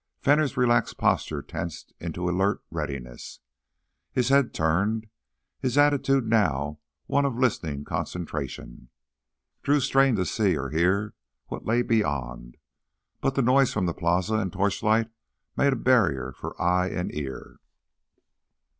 Fenner's relaxed posture tensed into alert readiness. His head turned, his attitude now one of listening concentration. Drew strained to see or hear what lay beyond. But the noise from the plaza and torchlight made a barrier for eye and ear.